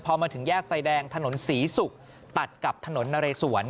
พอมาถึงแยกไฟแดงถนนศรีศุกร์ตัดกับถนนนะเรสวน